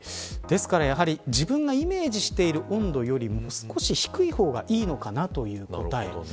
ですから、やはり自分がイメージしている温度よりも少し低い方がいいのかなという答え。